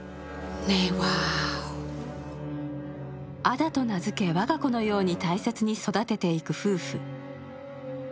アダと名付け我が子のように大切に育てていく夫婦。